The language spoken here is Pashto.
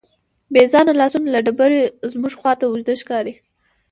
بېځانه لاسونه له ډبرې زموږ خواته اوږده ښکاري.